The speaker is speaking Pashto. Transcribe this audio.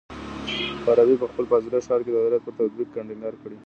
فارابي په خپل فاضله ښار کي د عدالت پر تطبيق ټينګار کړی.